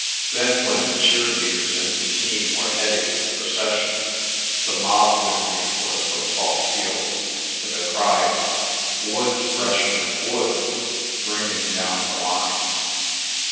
Then when the cheer leaders and the team were heading the procession, the mob would make for the football field, with the cry of "Wood, freshmen, wood!" ringing down the line.